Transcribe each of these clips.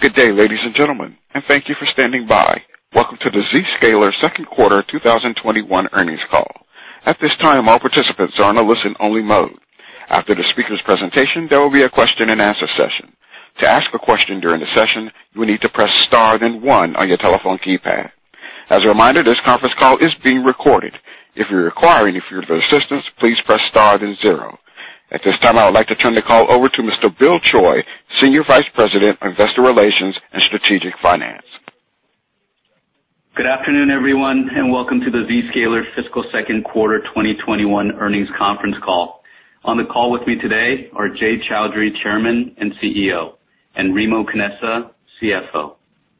Good day, ladies and gentlemen, and thank you for standing by. Welcome to the Zscaler Second Quarter 2021 Earnings Call. At this time, all participants are in a listen-only mode. After the speaker's presentation, there will be a question and answer session. To ask a question during the session, you will need to press star then one on your telephone keypad. As a reminder, this conference call is being recorded. If you require any further assistance, please press star then zero. At this time, I would like to turn the call over to Mr. Bill Choi, Senior Vice President, Investor Relations and Strategic Finance. Good afternoon, everyone, and welcome to the Zscaler Fiscal Second Quarter 2021 Earnings Conference Call. On the call with me today are Jay Chaudhry, Chairman and CEO, and Remo Canessa, CFO.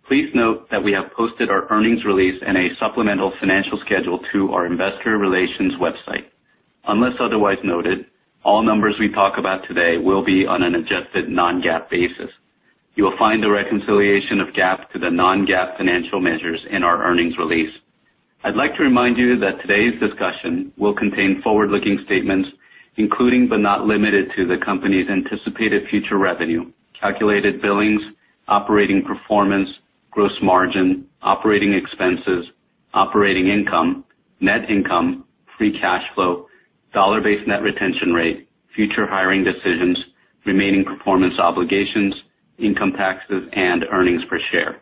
Please note that we have posted our earnings release and a supplemental financial schedule to our Investor Relations website. Unless otherwise noted, all numbers we talk about today will be on an adjusted non-GAAP basis. You will find the reconciliation of GAAP to the non-GAAP financial measures in our earnings release. I'd like to remind you that today's discussion will contain forward-looking statements, including but not limited to the company's anticipated future revenue, calculated billings, operating performance, gross margin, operating expenses, operating income, net income, free cash flow, dollar-based net retention rate, future hiring decisions, remaining performance obligations, income taxes, and earnings per share.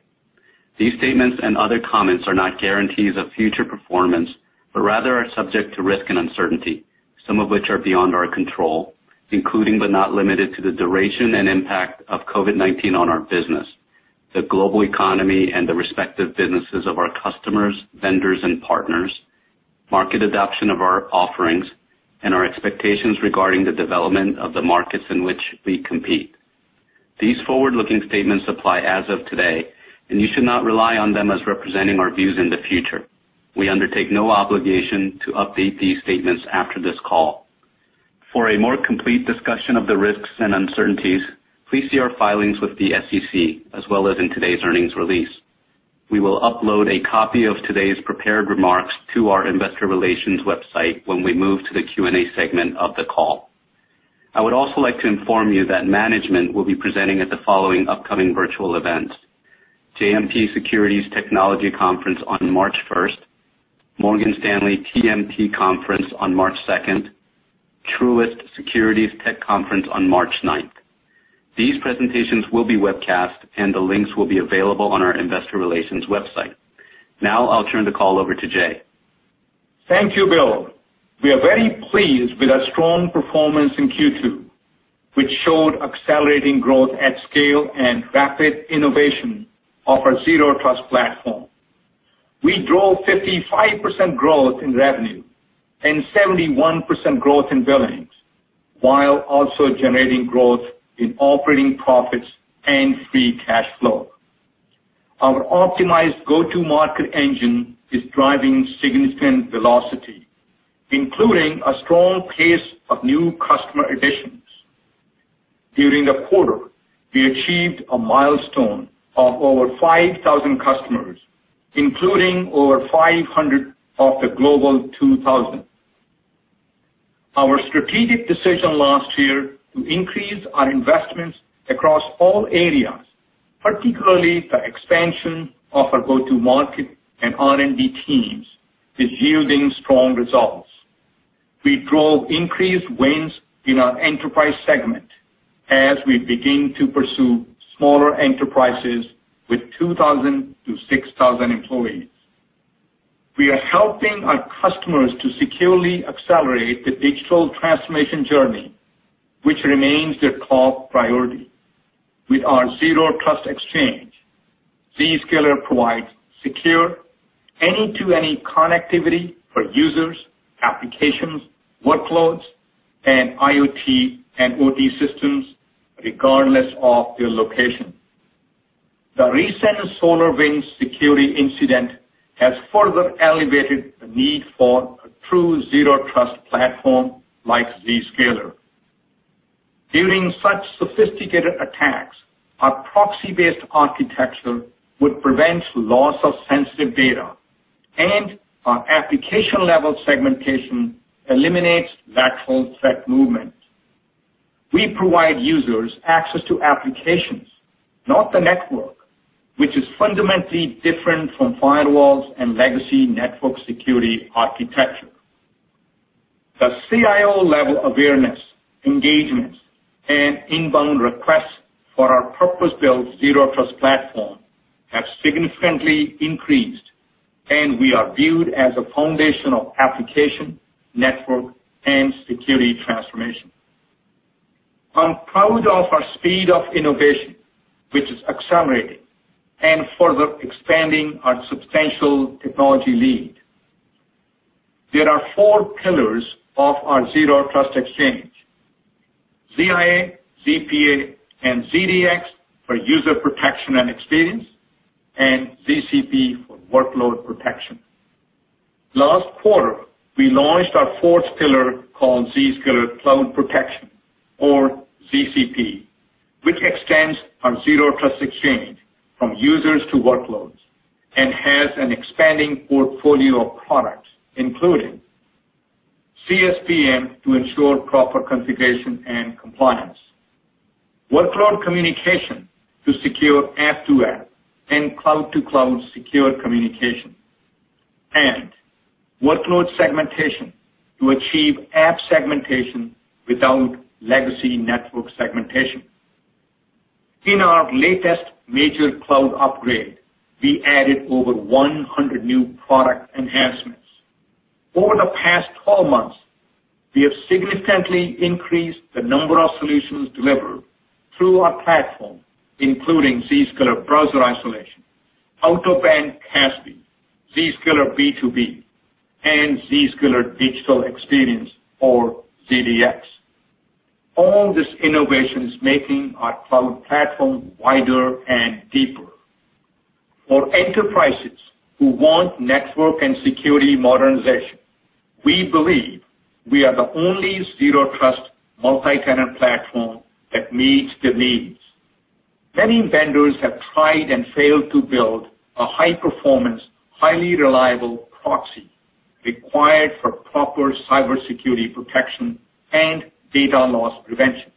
These statements and other comments are not guarantees of future performance, but rather are subject to risk and uncertainty, some of which are beyond our control, including but not limited to the duration and impact of COVID-19 on our business, the global economy and the respective businesses of our customers, vendors and partners, market adoption of our offerings, and our expectations regarding the development of the markets in which we compete. These forward-looking statements apply as of today, and you should not rely on them as representing our views in the future. We undertake no obligation to update these statements after this call. For a more complete discussion of the risks and uncertainties, please see our filings with the SEC, as well as in today's earnings release. We will upload a copy of today's prepared remarks to our investor relations website when we move to the Q&A segment of the call. I would also like to inform you that management will be presenting at the following upcoming virtual events: JMP Securities Technology Conference on March 1st, Morgan Stanley TMT Conference on March 2nd, Truist Securities Tech Conference on March 9th. These presentations will be webcast and the links will be available on our Investor Relations website. Now I'll turn the call over to Jay. Thank you, Bill. We are very pleased with our strong performance in Q2, which showed accelerating growth at scale and rapid innovation of our zero trust platform. We drove 55% growth in revenue and 71% growth in billings, while also generating growth in operating profits and free cash flow. Our optimized go-to-market engine is driving significant velocity, including a strong pace of new customer additions. During the quarter, we achieved a milestone of over 5,000 customers, including over 500 of the Global 2000. Our strategic decision last year to increase our investments across all areas, particularly the expansion of our go-to-market and R&D teams, is yielding strong results. We drove increased wins in our enterprise segment as we begin to pursue smaller enterprises with 2,000 to 6,000 employees. We are helping our customers to securely accelerate the digital transformation journey, which remains their top priority. With our Zero Trust Exchange, Zscaler provides secure any-to-any connectivity for users, applications, workloads, and IoT and OT systems, regardless of their location. The recent SolarWinds security incident has further elevated the need for a true zero trust platform like Zscaler. During such sophisticated attacks, our proxy-based architecture would prevent loss of sensitive data, and our application-level segmentation eliminates lateral threat movement. We provide users access to applications, not the network, which is fundamentally different from firewalls and legacy network security architecture. The CIO-level awareness, engagement, and inbound requests for our purpose-built zero trust platform have significantly increased, and we are viewed as a foundational application, network, and security transformation. I'm proud of our speed of innovation, which is accelerating and further expanding our substantial technology lead. There are four pillars of our Zero Trust Exchange: ZIA, ZPA, and ZDX for user protection and experience, and ZCP for workload protection. Last quarter, we launched our fourth pillar called Zscaler Cloud Protection, or ZCP, which extends our Zero Trust Exchange from users to workloads and has an expanding portfolio of products, including CSPM to ensure proper configuration and compliance. Workload communication to secure app-to-app and cloud-to-cloud secure communication. Workload segmentation to achieve app segmentation without legacy network segmentation. In our latest major cloud upgrade, we added over 100 new product enhancements. Over the past 12 months, we have significantly increased the number of solutions delivered through our platform, including Zscaler Browser Isolation, Out-of-Band CASB, Zscaler B2B, and Zscaler Digital Experience, or ZDX. All this innovation is making our cloud platform wider and deeper. For enterprises who want network and security modernization, we believe we are the only zero trust multi-tenant platform that meets their needs. Many vendors have tried and failed to build a high-performance, highly reliable proxy required for proper cybersecurity protection and data loss prevention.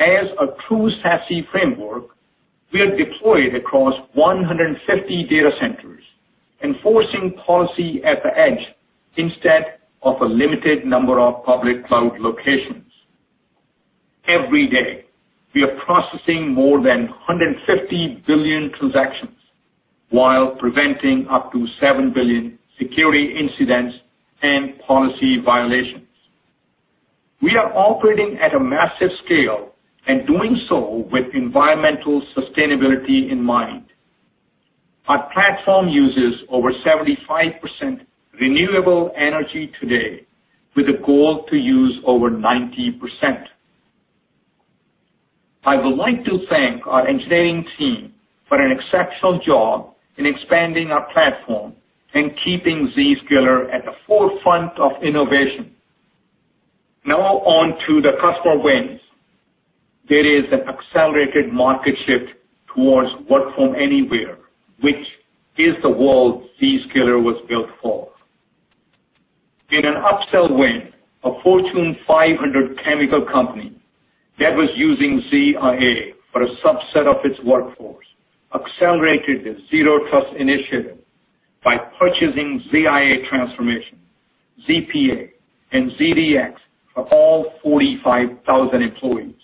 As a true SASE framework, we are deployed across 150 data centers, enforcing policy at the edge instead of a limited number of public cloud locations. Every day, we are processing more than 150 billion transactions while preventing up to 7 billion security incidents and policy violations. We are operating at a massive scale and doing so with environmental sustainability in mind. Our platform uses over 75% renewable energy today with a goal to use over 90%. I would like to thank our engineering team for an exceptional job in expanding our platform and keeping Zscaler at the forefront of innovation. Now on to the customer wins. There is an accelerated market shift towards work from anywhere, which is the world Zscaler was built for. In an upsell win, a Fortune 500 chemical company that was using ZIA for a subset of its workforce accelerated their zero trust initiative by purchasing ZIA transformation, ZPA, and ZDX for all 45,000 employees.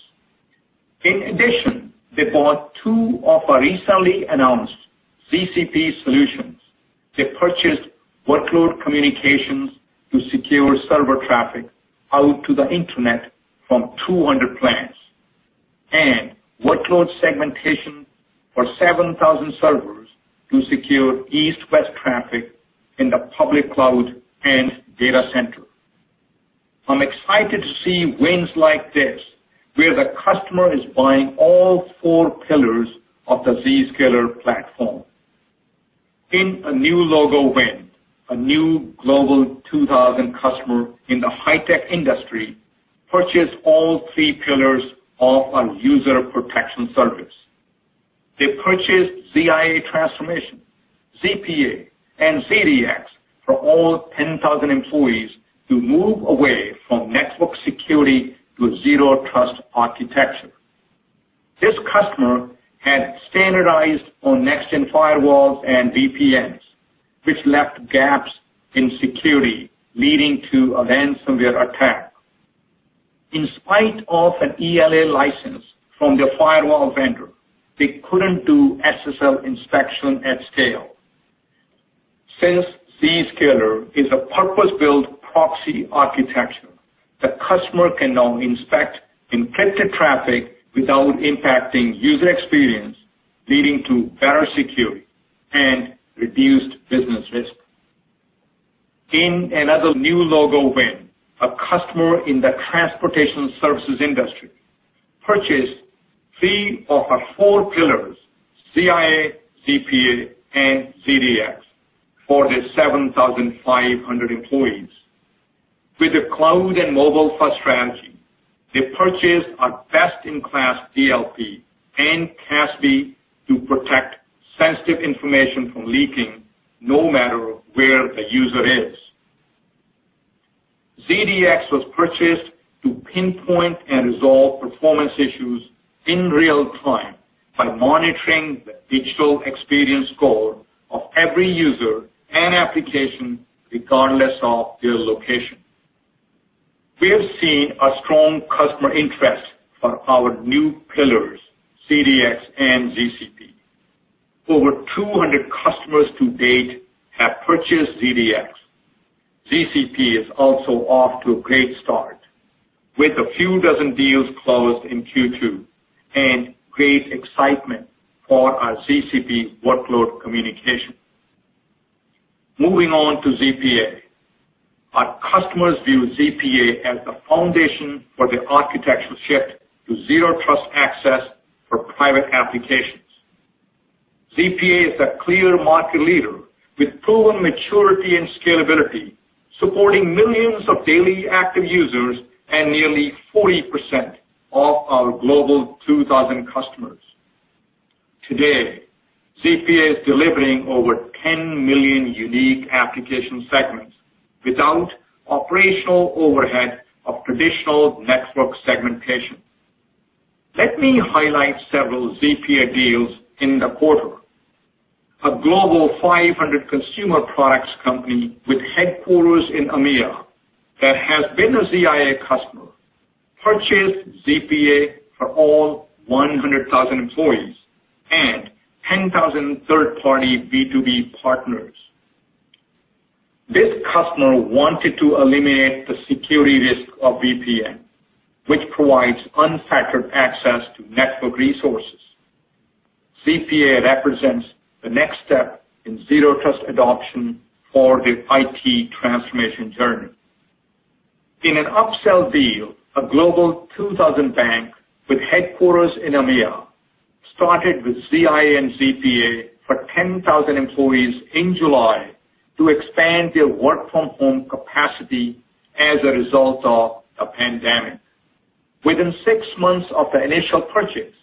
In addition, they bought two of our recently announced ZCP solutions. They purchased workload communications to secure server traffic out to the internet from 200 plants and workload segmentation for 7,000 servers to secure east-west traffic in the public cloud and data center. I'm excited to see wins like this, where the customer is buying all four pillars of the Zscaler platform. In a new logo win, a new Global 2000 customer in the high-tech industry purchased all three pillars of our user protection service. They purchased ZIA transformation, ZPA, and ZDX for all 10,000 employees to move away from network security to a zero trust architecture. This customer had standardized on next-gen firewalls and VPNs, which left gaps in security, leading to a ransomware attack. In spite of an ELA license from their firewall vendor, they couldn't do SSL inspection at scale. Since Zscaler is a purpose-built proxy architecture, the customer can now inspect encrypted traffic without impacting user experience, leading to better security and reduced business risk. In another new logo win, a customer in the transportation services industry purchased three of our four pillars, ZIA, ZPA, and ZDX, for their 7,500 employees. With a cloud and mobile-first strategy, they purchased our best-in-class DLP and CASB to protect sensitive information from leaking, no matter where the user is. ZDX was purchased to pinpoint and resolve performance issues in real-time by monitoring the digital experience score of every user and application, regardless of their location. We have seen a strong customer interest for our new pillars, ZDX and ZCP. Over 200 customers to date have purchased ZDX. ZCP is also off to a great start with a few dozen deals closed in Q2 and great excitement for our ZCP workload communication. Moving on to ZPA. Our customers view ZPA as the foundation for their architectural shift to zero trust access for private applications. ZPA is a clear market leader with proven maturity and scalability, supporting millions of daily active users and nearly 40% of our Global 2000 customers. Today, ZPA is delivering over 10 million unique application segments without operational overhead of traditional network segmentation. Let me highlight several ZPA deals in the quarter. A Global 500 consumer products company with headquarters in EMEA that has been a ZIA customer, purchased ZPA for all 100,000 employees and 10,000 third-party B2B partners. This customer wanted to eliminate the security risk of VPN, which provides unfettered access to network resources. ZPA represents the next step in zero trust adoption for their IT transformation journey. In an upsell deal, a Global 2000 bank with headquarters in EMEA started with ZIA and ZPA for 10,000 employees in July to expand their work-from-home capacity as a result of the pandemic. Within six months of the initial purchase,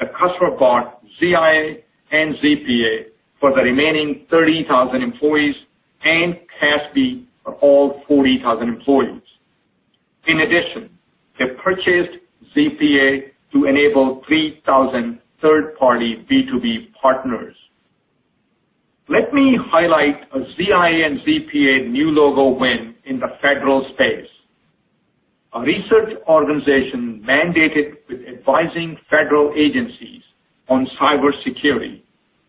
the customer bought ZIA and ZPA for the remaining 30,000 employees and CASB for all 40,000 employees. In addition, they purchased ZPA to enable 3,000 third-party B2B partners. Let me highlight a ZIA and ZPA new logo win in the federal space. A research organization mandated with advising federal agencies on cybersecurity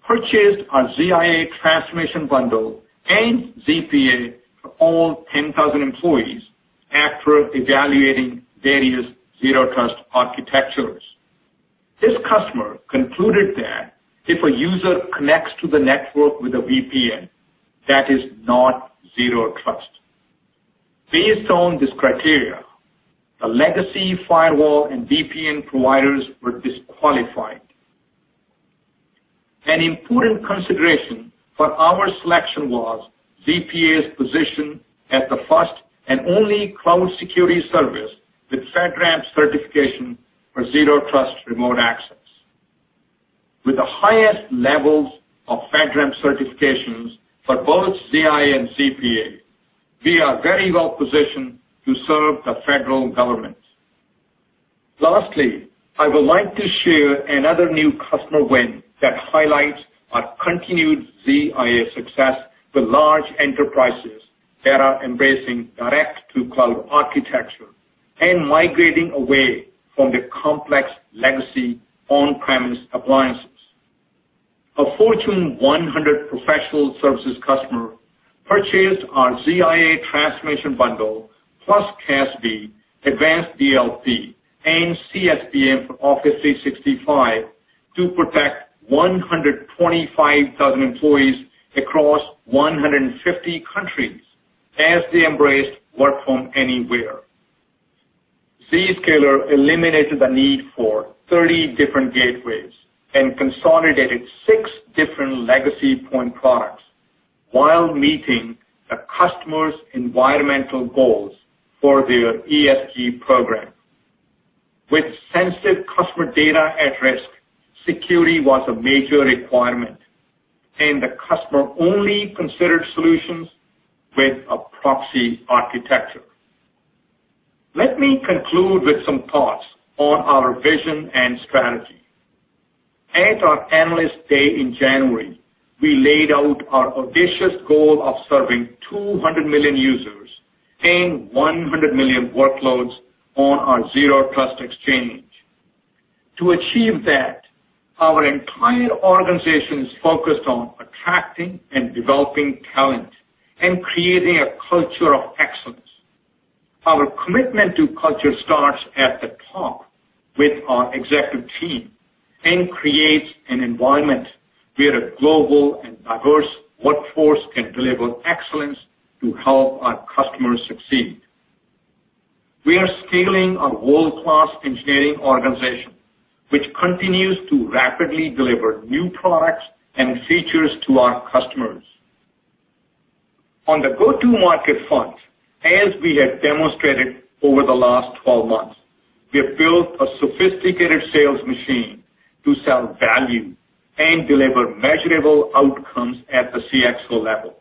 purchased our ZIA transformation bundle and ZPA for all 10,000 employees after evaluating various zero trust architectures. This customer concluded that if a user connects to the network with a VPN, that is not zero trust. Based on this criteria, the legacy firewall and VPN providers were disqualified. An important consideration for our selection was ZPA's position as the first and only cloud security service with FedRAMP certification for zero trust remote access. With the highest levels of FedRAMP certifications for both ZIA and ZPA, we are very well positioned to serve the federal government. I would like to share another new customer win that highlights our continued ZIA success with large enterprises that are embracing direct-to-cloud architecture and migrating away from the complex legacy on-premise appliances. A Fortune 100 professional services customer purchased our ZIA transformation bundle plus CASB, advanced DLP, and CSPM for Office 365 to protect 125,000 employees across 150 countries as they embraced work from anywhere. Zscaler eliminated the need for 30 different gateways and consolidated six different legacy point products while meeting the customer's environmental goals for their ESG program. With sensitive customer data at risk, security was a major requirement, and the customer only considered solutions with a proxy architecture. Let me conclude with some thoughts on our vision and strategy. At our Analyst Day in January, we laid out our audacious goal of serving 200 million users and 100 million workloads on our Zero Trust Exchange. To achieve that, our entire organization's focused on attracting and developing talent and creating a culture of excellence. Our commitment to culture starts at the top with our executive team and creates an environment where a global and diverse workforce can deliver excellence to help our customers succeed. We are scaling a world-class engineering organization, which continues to rapidly deliver new products and features to our customers. On the go-to-market front, as we have demonstrated over the last 12 months, we have built a sophisticated sales machine to sell value and deliver measurable outcomes at the CXO level.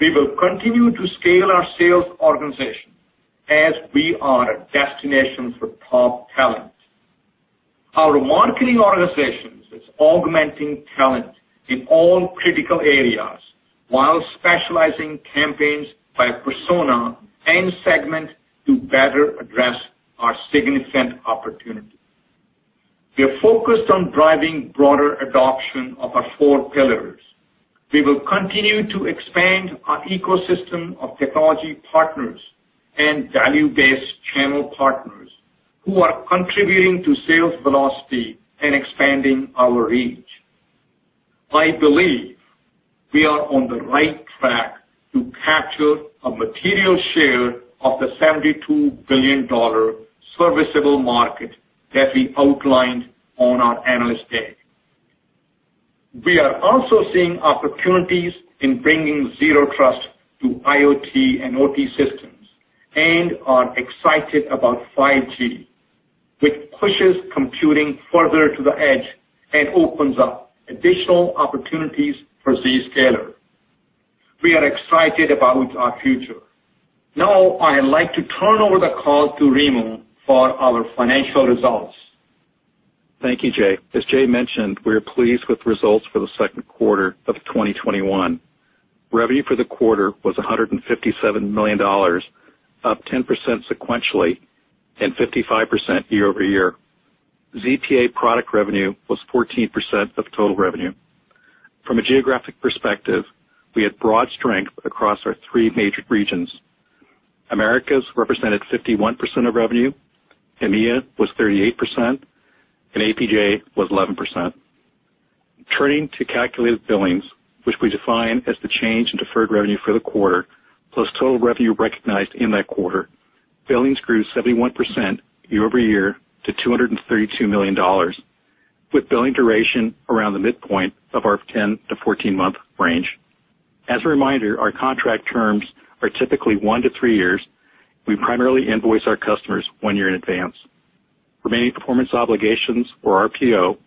We will continue to scale our sales organization as we are a destination for top talent. Our marketing organization is augmenting talent in all critical areas while specializing campaigns by persona and segment to better address our significant opportunity. We are focused on driving broader adoption of our four pillars. We will continue to expand our ecosystem of technology partners and value-based channel partners who are contributing to sales velocity and expanding our reach. I believe we are on the right track to capture a material share of the $72 billion serviceable market that we outlined on our Analyst Day. We are also seeing opportunities in bringing zero trust to IoT and OT systems and are excited about 5G, which pushes computing further to the edge and opens up additional opportunities for Zscaler. We are excited about our future. Now, I'd like to turn over the call to Remo for our financial results. Thank you, Jay. As Jay mentioned, we are pleased with results for the second quarter of 2021. Revenue for the quarter was $157 million, up 10% sequentially and 55% year-over-year. ZPA product revenue was 14% of total revenue. From a geographic perspective, we had broad strength across our three major regions. Americas represented 51% of revenue, EMEA was 38%, and APJ was 11%. Turning to calculated billings, which we define as the change in deferred revenue for the quarter, plus total revenue recognized in that quarter. Billings grew 71% year-over-year to $232 million, with billing duration around the midpoint of our 10-14 month range. As a reminder, our contract terms are typically one to three years. We primarily invoice our customers one year in advance. Remaining performance obligations, or RPO,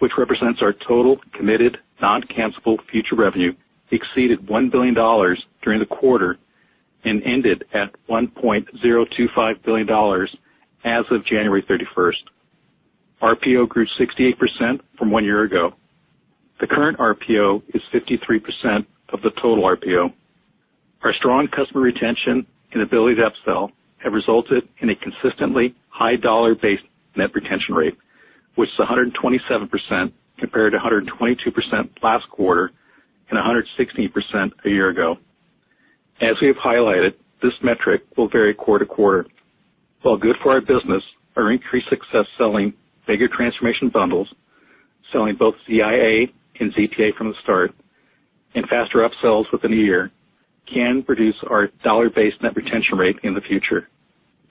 which represents our total committed non-cancellable future revenue, exceeded $1 billion during the quarter and ended at $1.025 billion as of January 31st. RPO grew 68% from one year ago. The current RPO is 53% of the total RPO. Our strong customer retention and ability to upsell have resulted in a consistently high dollar-based net retention rate, which is 127%, compared to 122% last quarter and 116% a year ago. As we have highlighted, this metric will vary quarter-to-quarter. While good for our business, our increased success selling bigger transformation bundles, selling both ZIA and ZPA from the start, and faster upsells within a year can reduce our dollar-based net retention rate in the future.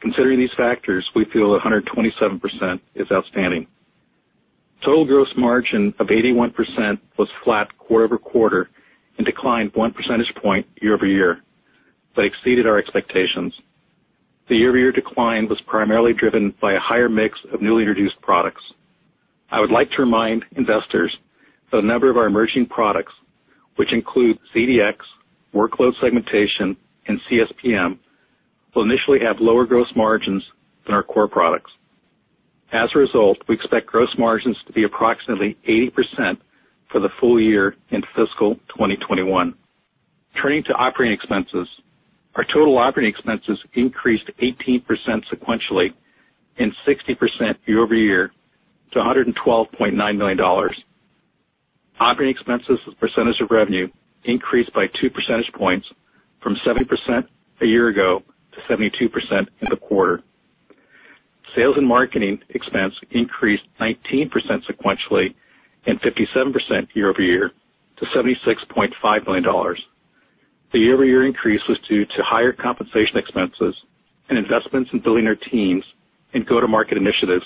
Considering these factors, we feel 127% is outstanding. Total gross margin of 81% was flat quarter-over-quarter and declined one percentage point year-over-year, but exceeded our expectations. The year-over-year decline was primarily driven by a higher mix of newly introduced products. I would like to remind investors that a number of our emerging products, which include ZDX, workload segmentation, and CSPM, will initially have lower gross margins than our core products. As a result, we expect gross margins to be approximately 80% for the full year in fiscal 2021. Turning to operating expenses. Our total operating expenses increased 18% sequentially and 60% year-over-year to $112.9 million. Operating expenses as a percentage of revenue increased by 2 percentage points from 70% a year ago to 72% in the quarter. Sales and marketing expense increased 19% sequentially and 57% year-over-year to $76.5 million. The year-over-year increase was due to higher compensation expenses and investments in building our teams and go-to-market initiatives,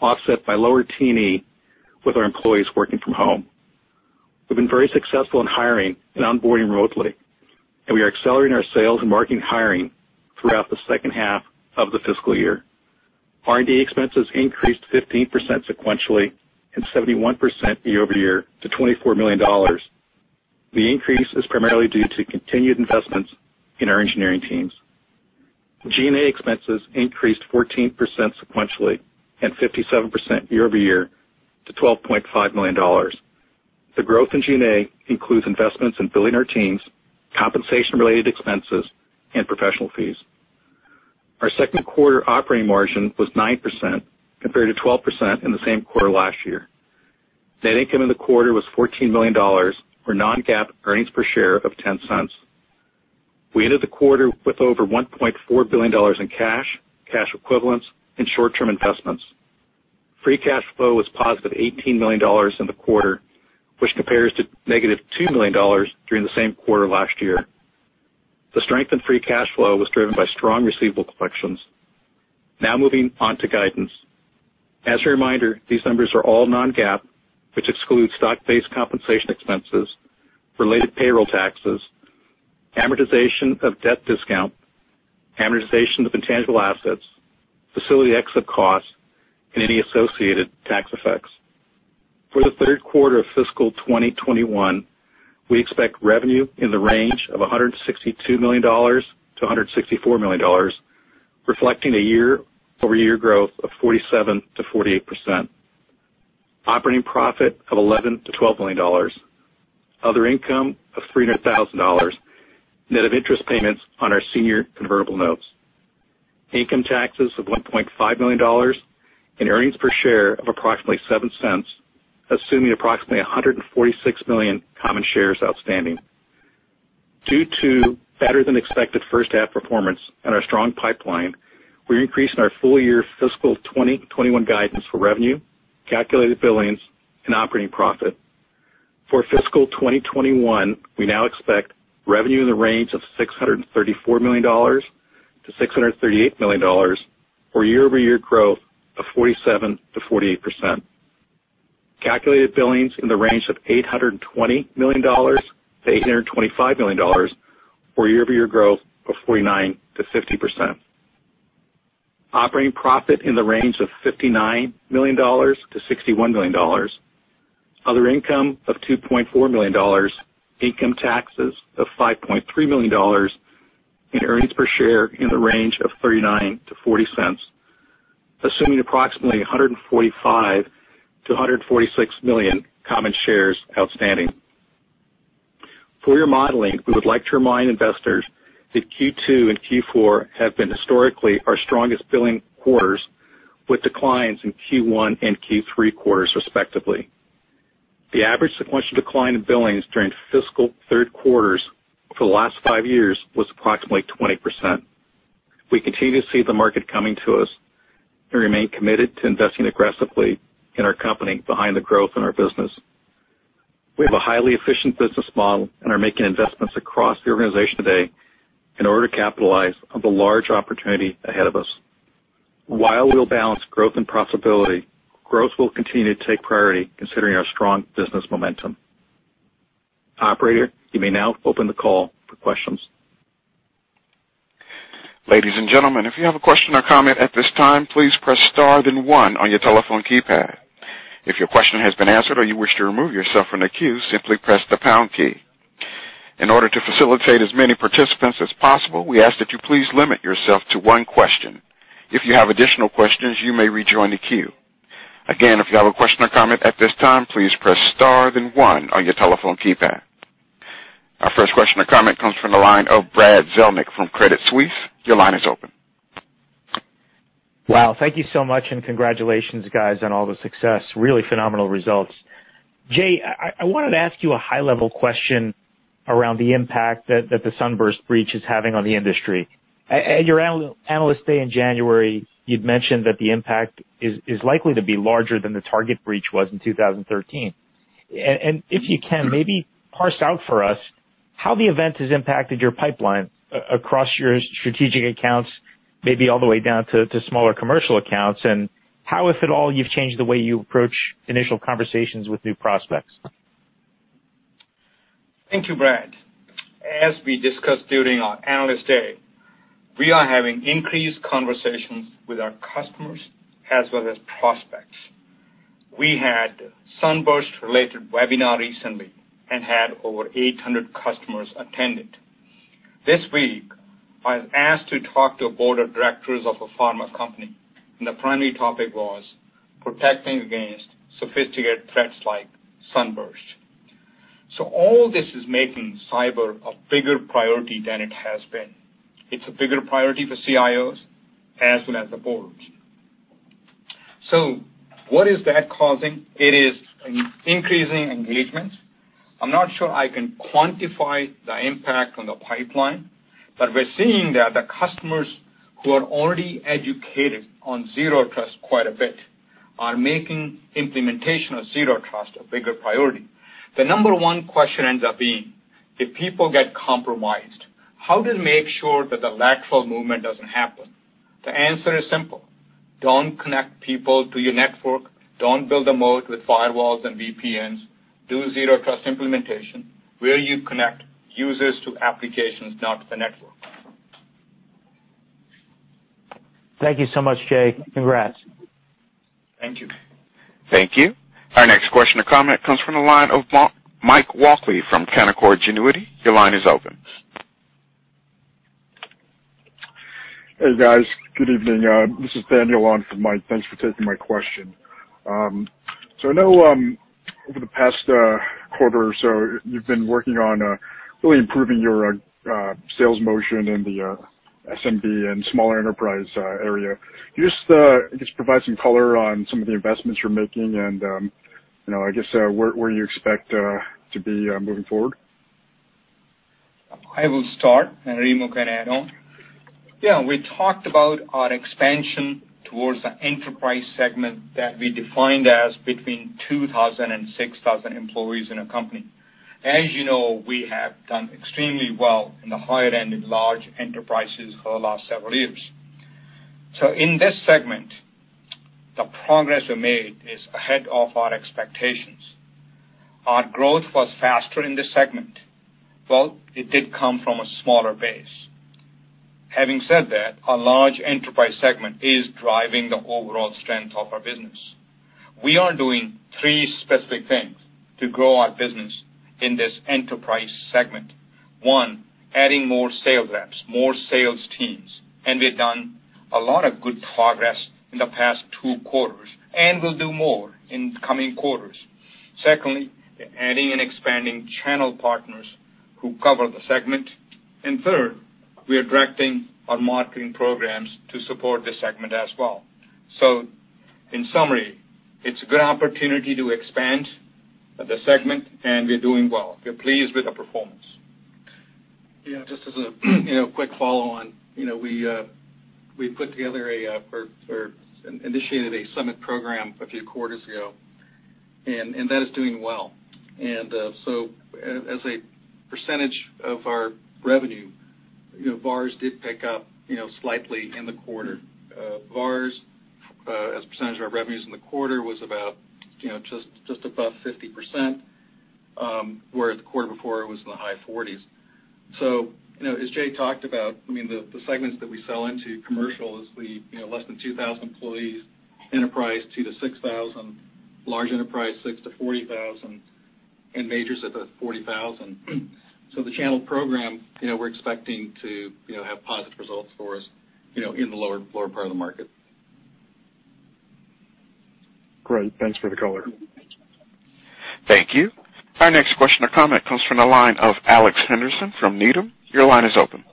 offset by lower T&E with our employees working from home. We've been very successful in hiring and onboarding remotely, and we are accelerating our sales and marketing hiring throughout the second half of the fiscal year. R&D expenses increased 15% sequentially and 71% year-over-year to $24 million. The increase is primarily due to continued investments in our engineering teams. G&A expenses increased 14% sequentially and 57% year-over-year to $12.5 million. The growth in G&A includes investments in building our teams, compensation-related expenses, and professional fees. Our second quarter operating margin was 9% compared to 12% in the same quarter last year. Net income in the quarter was $14 million, or non-GAAP earnings per share of $0.10. We ended the quarter with over $1.4 billion in cash equivalents, and short-term investments. Free cash flow was positive $18 million in the quarter, which compares to -$2 million during the same quarter last year. The strength in free cash flow was driven by strong receivable collections. Moving on to guidance. As a reminder, these numbers are all non-GAAP, which excludes stock-based compensation expenses, related payroll taxes, amortization of debt discount, amortization of intangible assets, facility exit costs, and any associated tax effects. For the third quarter of fiscal 2021, we expect revenue in the range of $162 million-$164 million, reflecting a year-over-year growth of 47%-48%. Operating profit of $11 million-$12 million. Other income of $300,000, net of interest payments on our senior convertible notes. Income taxes of $1.5 million and earnings per share of approximately $0.07, assuming approximately 146 million common shares outstanding. Due to better-than-expected first-half performance and our strong pipeline, we're increasing our full-year fiscal 2021 guidance for revenue, calculated billings, and operating profit. For fiscal 2021, we now expect revenue in the range of $634 million to $638 million or year-over-year growth of 47%-48%. Calculated billings in the range of $820 million-$825 million, or year-over-year growth of 49%-50%. Operating profit in the range of $59 million-$61 million. Other income of $2.4 million. Income taxes of $5.3 million and earnings per share in the range of $0.39-$0.40, assuming approximately 145 million-146 million common shares outstanding. For your modeling, we would like to remind investors that Q2 and Q4 have been historically our strongest billing quarters, with declines in Q1 and Q3 quarters, respectively. The average sequential decline in billings during fiscal third quarters for the last five years was approximately 20%. We continue to see the market coming to us and remain committed to investing aggressively in our company behind the growth in our business. We have a highly efficient business model and are making investments across the organization today in order to capitalize on the large opportunity ahead of us. While we'll balance growth and profitability, growth will continue to take priority considering our strong business momentum. Operator, you may now open the call for questions. Ladies and gentlemen if you have question or comment at this time please press star then one on your telephone keypad. If your question has been answered and you wish to remove yourself from the queue simply press the pound key. In order to facilitate as many participants as possible we ask you to please limit yourself to one question. If you have additional question you may rejoin the queue. Again if you a have a question or comment at this time please press star then one on your telephone keypad. Our first question or comment comes from the line of Brad Zelnick from Credit Suisse. Your line is open. Wow, thank you so much, and congratulations, guys, on all the success. Really phenomenal results. Jay, I wanted to ask you a high-level question around the impact that the Sunburst breach is having on the industry. At your Analyst Day in January, you'd mentioned that the impact is likely to be larger than the Target breach was in 2013. If you can, maybe parse out for us how the event has impacted your pipeline across your strategic accounts, maybe all the way down to smaller commercial accounts, and how, if at all, you've changed the way you approach initial conversations with new prospects. Thank you, Brad. As we discussed during our Analyst Day, we are having increased conversations with our customers as well as prospects. We had Sunburst-related webinar recently and had over 800 customers attended. This week, I was asked to talk to a board of directors of a pharma company, and the primary topic was protecting against sophisticated threats like Sunburst. All this is making cyber a bigger priority than it has been. It's a bigger priority for CIOs as well as the boards. What is that causing? It is increasing engagement. I'm not sure I can quantify the impact on the pipeline, but we're seeing that the customers who are already educated on zero trust quite a bit are making implementation of zero trust a bigger priority. The number one question ends up being, if people get compromised, how to make sure that the lateral movement doesn't happen? The answer is simple. Don't connect people to your network. Don't build a moat with firewalls and VPNs. Do zero trust implementation where you connect users to applications, not the network. Thank you so much, Jay. Congrats. Thank you. Thank you. Our next question or comment comes from the line of Mike Walkley from Canaccord Genuity. Your line is open. Hey, guys. Good evening. This is Daniel on for Mike. Thanks for taking my question. I know, over the past quarter or so, you've been working on really improving your sales motion in the SMB and smaller enterprise area. Can you just provide some color on some of the investments you're making and, I guess, where you expect to be moving forward? I will start, and Remo can add on. Yeah, we talked about our expansion towards the enterprise segment that we defined as between 2,000 and 6,000 employees in a company. As you know, we have done extremely well in the higher end of large enterprises for the last several years. In this segment, the progress we made is ahead of our expectations. Our growth was faster in this segment, though it did come from a smaller base. Having said that, our large enterprise segment is driving the overall strength of our business. We are doing three specific things to grow our business in this enterprise segment. One, adding more sales reps, more sales teams, and we've done a lot of good progress in the past two quarters, and we'll do more in the coming quarters. Secondly, adding and expanding channel partners who cover the segment. Third, we are directing our marketing programs to support this segment as well. In summary, it's a good opportunity to expand the segment and we're doing well. We're pleased with the performance. Yeah, just as a quick follow on. We put together or initiated a Summit program a few quarters ago. That is doing well. As a percentage of our revenue, VARs did pick up slightly in the quarter. VARs as a percentage of our revenues in the quarter was about just above 50%, whereas the quarter before it was in the high 40%s. As Jay talked about, the segments that we sell into commercial is less than 2,000 employees, enterprise 2,000 to 6,000, large enterprise 6,000 to 40,000, and majors above 40,000. The channel program, we're expecting to have positive results for us in the lower part of the market. Great. Thanks for the color. Thank you. Our next question or comment comes from the line of Alex Henderson from Needham. Your line is open.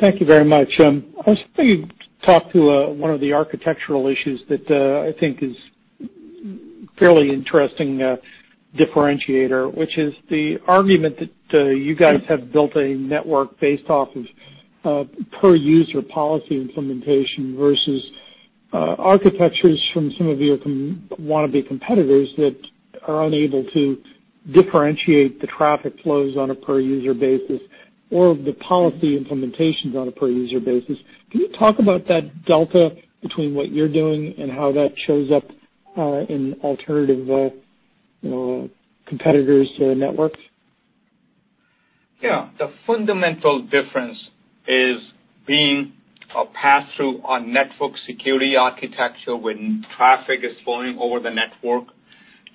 Thank you very much. I was hoping you'd talk to one of the architectural issues that I think is fairly interesting differentiator, which is the argument that you guys have built a network based off of per user policy implementation versus architectures from some of your wannabe competitors that are unable to differentiate the traffic flows on a per user basis or the policy implementations on a per user basis. Can you talk about that delta between what you're doing and how that shows up in alternative competitors' networks? Yeah. The fundamental difference is being a pass-through on network security architecture when traffic is flowing over the network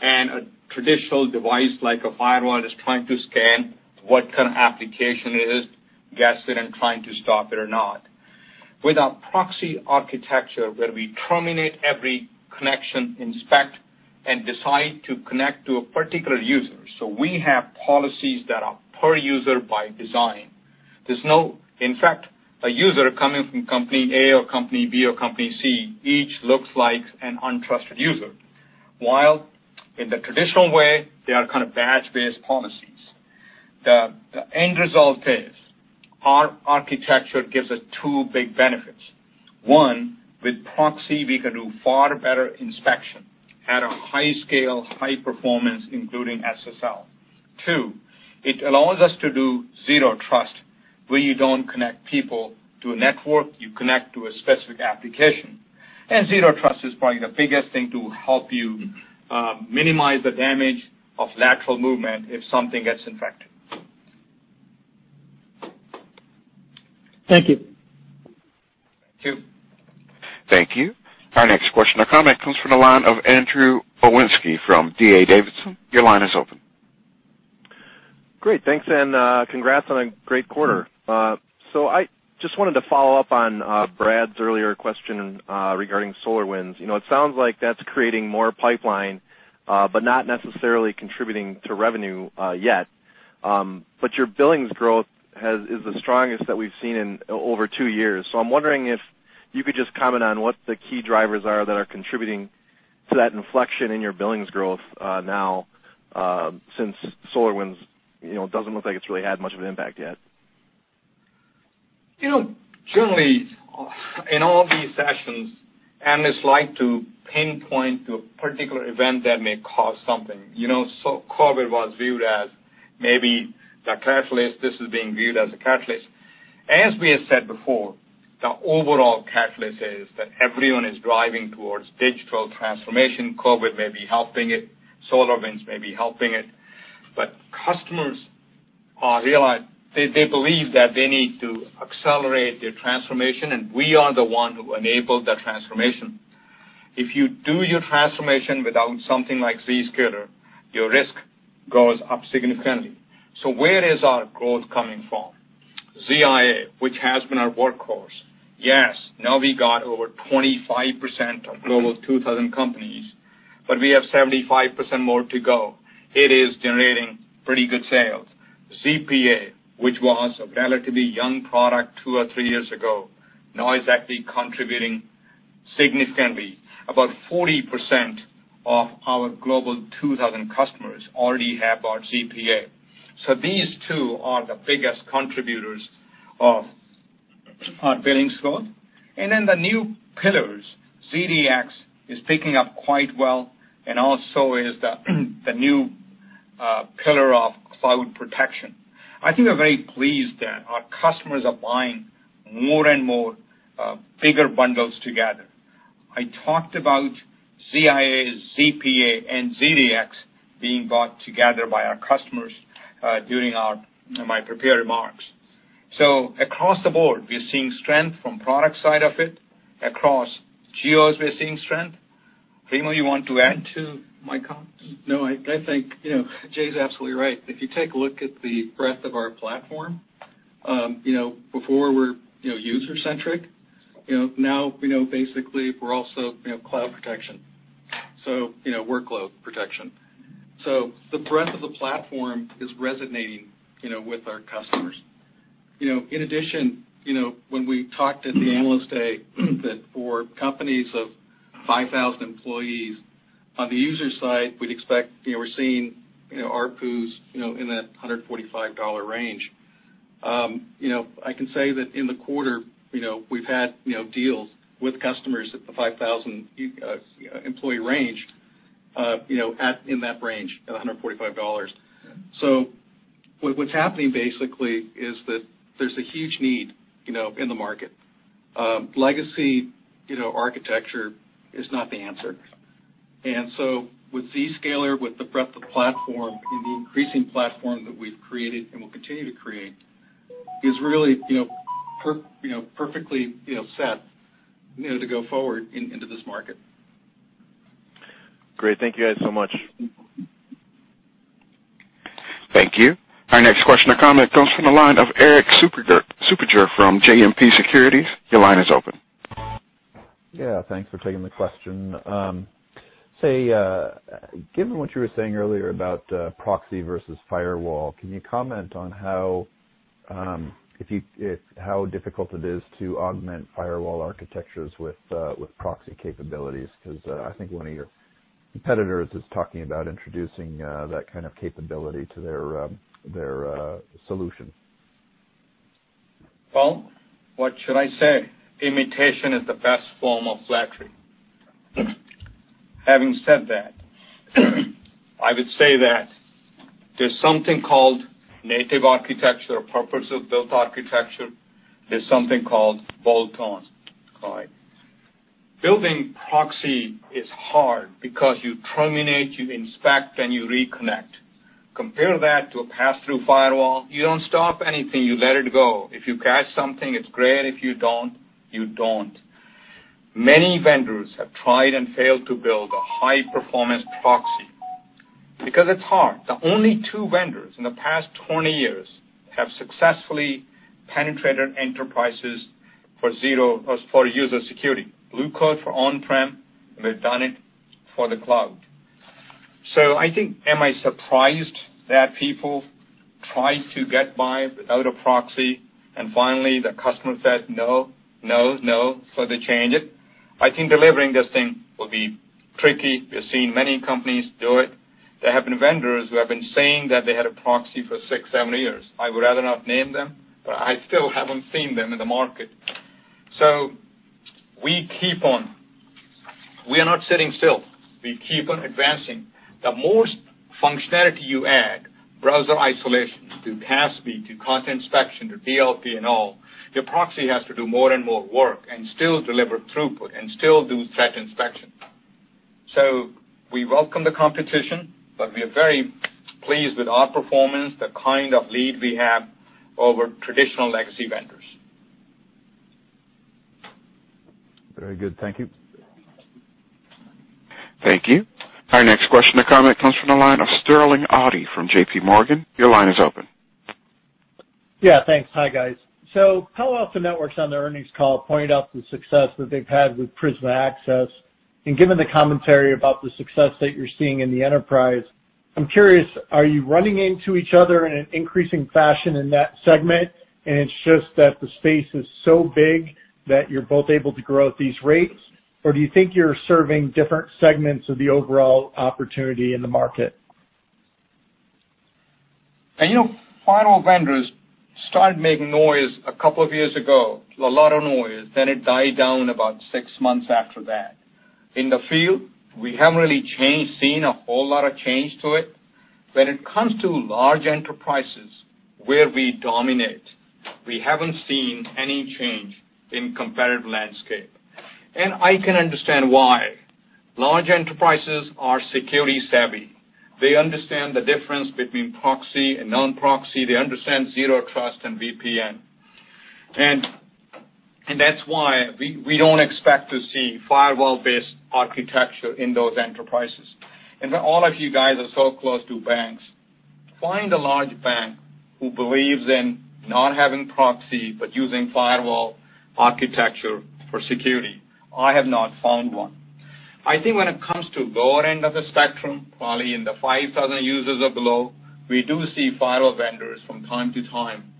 and a traditional device like a firewall is trying to scan what kind of application it is, guess it, and trying to stop it or not. With our proxy architecture, where we terminate every connection, inspect, and decide to connect to a particular user. We have policies that are per user by design. In fact, a user coming from company A or company B or company C, each looks like an untrusted user, while in the traditional way, they are badge-based policies. The end result is our architecture gives us two big benefits. One, with proxy, we can do far better inspection at a high scale, high performance, including SSL. Two, it allows us to do zero trust, where you don't connect people to a network, you connect to a specific application. Zero trust is probably the biggest thing to help you minimize the damage of lateral movement if something gets infected. Thank you. Thank you. Thank you. Our next question or comment comes from the line of Andrew Nowinski from D.A. Davidson. Your line is open. Great. Thanks, congrats on a great quarter. I just wanted to follow up on Brad's earlier question regarding SolarWinds. It sounds like that's creating more pipeline, but not necessarily contributing to revenue yet. Your billings growth is the strongest that we've seen in over two years. I'm wondering if you could just comment on what the key drivers are that are contributing to that inflection in your billings growth now, since SolarWinds, it doesn't look like it's really had much of an impact yet. Generally, in all these sessions, analysts like to pinpoint to a particular event that may cause something. COVID was viewed as maybe the catalyst. This is being viewed as a catalyst. As we have said before, the overall catalyst is that everyone is driving towards digital transformation. COVID may be helping it. SolarWinds may be helping it. Customers believe that they need to accelerate their transformation, and we are the one who enable that transformation. If you do your transformation without something like Zscaler, your risk goes up significantly. Where is our growth coming from? ZIA, which has been our workhorse. Yes, now we got over 25% of Global 2000 companies, but we have 75% more to go. It is generating pretty good sales. ZPA, which was a relatively young product two or three years ago, now is actually contributing significantly. About 40% of our Global 2000 customers already have our ZPA. These two are the biggest contributors of our billings growth. Then the new pillars, ZDX, is picking up quite well, and also is the new pillar of Cloud Protection. I think we're very pleased that our customers are buying more and more bigger bundles together. I talked about ZIA, ZPA, and ZDX being bought together by our customers during my prepared remarks. Across the board, we're seeing strength from product side of it. Across geos, we're seeing strength. Remo, you want to add to my comments? No, I think Jay's absolutely right. If you take a look at the breadth of our platform, before we were user-centric. Now, basically we're also cloud protection. Workload protection. The breadth of the platform is resonating with our customers. In addition, when we talked at the Analyst Day that for companies of 5,000 employees, on the user side, we'd expect we're seeing ARPUs in that $145 range. I can say that in the quarter, we've had deals with customers at the 5,000 employee range, in that range, at $145. What's happening basically is that there's a huge need in the market. Legacy architecture is not the answer. With Zscaler, with the breadth of platform and the increasing platform that we've created and will continue to create, is really perfectly set to go forward into this market. Great. Thank you guys so much. Thank you. Our next question or comment comes from the line of Erik Suppiger from JMP Securities. Yeah, thanks for taking the question. Given what you were saying earlier about proxy versus firewall, can you comment on how difficult it is to augment firewall architectures with proxy capabilities? I think one of your competitors is talking about introducing that kind of capability to their solution. Well, what should I say? Imitation is the best form of flattery. Having said that, I would say that there's something called native architecture or purpose of built architecture. There's something called bolt-on. Building proxy is hard because you terminate, you inspect, and you reconnect. Compare that to a passthrough firewall. You don't stop anything, you let it go. If you catch something, it's great. If you don't, you don't. Many vendors have tried and failed to build a high-performance proxy because it's hard. The only two vendors in the past 20 years have successfully penetrated enterprises for user security. Blue Coat for on-prem, and they've done it for the cloud. I think, am I surprised that people try to get by without a proxy and finally the customer said, "No, no," so they change it? I think delivering this thing will be tricky. We've seen many companies do it. There have been vendors who have been saying that they had a proxy for six, seven years. I would rather not name them, but I still haven't seen them in the market. We keep on. We are not sitting still. We keep on advancing. The more functionality you add, browser isolation to CASB to content inspection to DLP and all, your proxy has to do more and more work and still deliver throughput and still do threat inspection. We welcome the competition, but we are very pleased with our performance, the kind of lead we have over traditional legacy vendors. Very good. Thank you. Thank you. Our next question or comment comes from the line of Sterling Auty from JPMorgan. Your line is open. Yeah, thanks. Hi, guys. Palo Alto Networks on their earnings call pointed out the success that they've had with Prisma Access. Given the commentary about the success that you're seeing in the enterprise, I'm curious, are you running into each other in an increasing fashion in that segment, and it's just that the space is so big that you're both able to grow at these rates? Or do you think you're serving different segments of the overall opportunity in the market? Firewall vendors started making noise a couple of years ago, a lot of noise. It died down about six months after that. In the field, we haven't really seen a whole lot of change to it. When it comes to large enterprises where we dominate, we haven't seen any change in competitive landscape. I can understand why. Large enterprises are security savvy. They understand the difference between proxy and non-proxy. They understand zero trust and VPN. That's why we don't expect to see firewall-based architecture in those enterprises. All of you guys are so close to banks. Find a large bank who believes in not having proxy but using firewall architecture for security. I have not found one. I think when it comes to lower end of the spectrum, probably in the 5,000 users or below, we do see firewall vendors from time to time.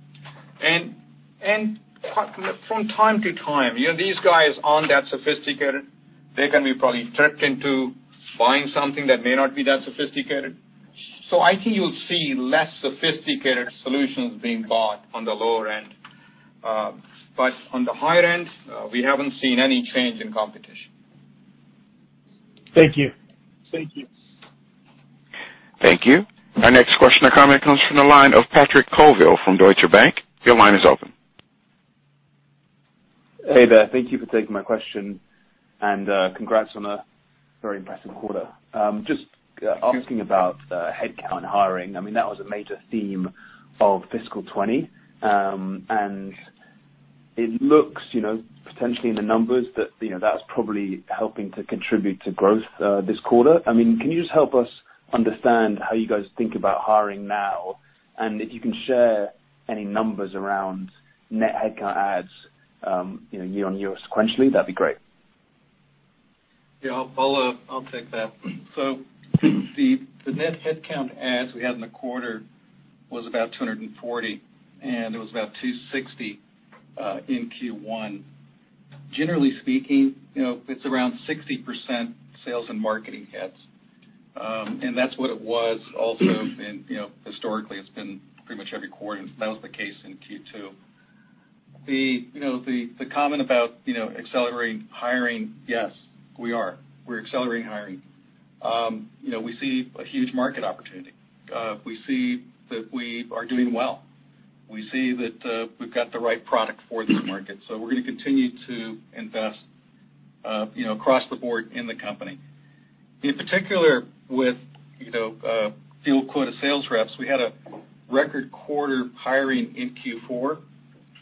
From time to time, these guys aren't that sophisticated. They can be probably tricked into buying something that may not be that sophisticated. I think you'll see less sophisticated solutions being bought on the lower end. On the higher end, we haven't seen any change in competition. Thank you. Thank you. Our next question or comment comes from the line of Patrick Colville from Deutsche Bank. Your line is open. Hey there. Thank you for taking my question and congrats on a very impressive quarter. Just asking about headcount hiring. That was a major theme of FY 2020. It looks potentially in the numbers that's probably helping to contribute to growth this quarter. Can you just help us understand how you guys think about hiring now? If you can share any numbers around net headcount adds year-over-year sequentially, that'd be great. Yeah, I'll take that. The net headcount adds we had in the quarter was about 240, and it was about 260 in Q1. Generally speaking, it's around 60% sales and marketing heads. That's what it was also historically, it's been pretty much every quarter, and that was the case in Q2. The comment about accelerating hiring, yes, we are. We're accelerating hiring. We see a huge market opportunity. We see that we are doing well. We see that we've got the right product for this market. We're going to continue to invest across the board in the company. In particular with field quota sales reps, we had a record quarter hiring in Q4.